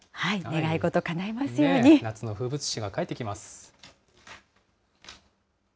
夏の風物詩が帰ってきます。